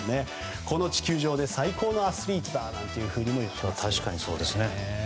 この地球上で最高のアスリートなどと言っていますね。